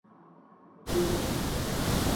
Danish